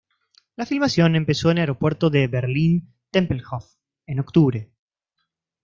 La filmación empezó en el Aeropuerto de Berlín-Tempelhof en octubre.